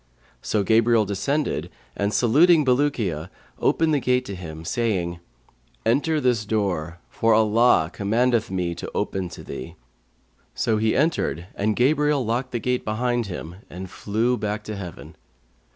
So Gabriel descended and, saluting Bulukiya, opened the gate to him, saying, 'Enter this door, for Allah commandeth me to open to thee.' So he entered and Gabriel locked the gate behind him and flew back to heaven.